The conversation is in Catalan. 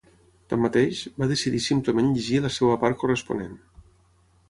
Tanmateix, va decidir simplement llegir la seva part corresponent.